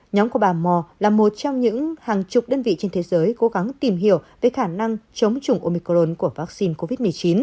nhóm của bà mò là một trong những hàng chục đơn vị trên thế giới cố gắng tìm hiểu về khả năng chống chủng omicron của vaccine covid một mươi chín